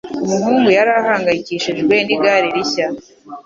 Umuhungu yari ahangayikishijwe nigare rishya.